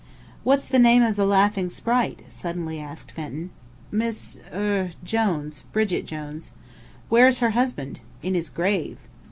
"What's the name of the laughing sprite?" suddenly asked Fenton. "Mrs. er Jones. Brigit Jones." "Where's her husband?" "In his grave."